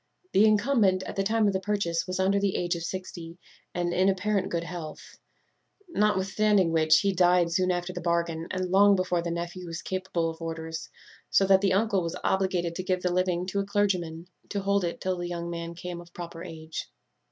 The incumbent, at the time of the purchase, was under the age of sixty, and in apparent good health; notwithstanding which, he died soon after the bargain, and long before the nephew was capable of orders; so that the uncle was obliged to give the living to a clergyman, to hold it till the young man came of proper age.